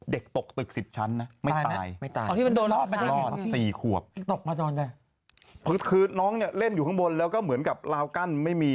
เด็กตกตึก๑๐ชั้นนะไม่ตายไม่ตายคือน้องเนี่ยเล่นอยู่ข้างบนแล้วก็เหมือนกับราวกั้นไม่มี